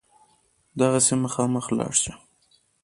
دغسې مخامخ لاړ شه.